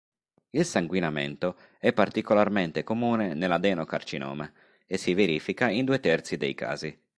Il sanguinamento è particolarmente comune nell'adenocarcinoma e si verifica in due terzi dei casi.